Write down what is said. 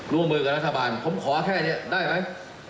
ร่วมมือกับรัฐบาลผมขอแค่นี้ได้ไหม